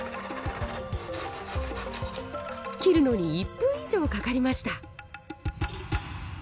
切るのに１分以上かかりました。